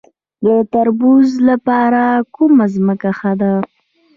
د تربوز لپاره کومه ځمکه ښه ده؟